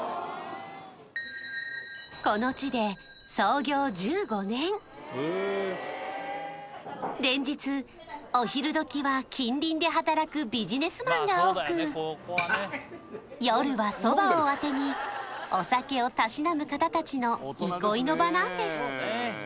この地で創業１５年連日お昼時は近隣で働くビジネスマンが多く夜はそばをあてにお酒を嗜む方たちの憩いの場なんです